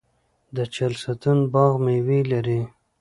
د چهلستون باغ میوې لري.